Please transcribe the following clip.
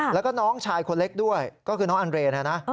แล้วก็น้องชายคนเล็กด้วยก็คือน้องอันเรนนะ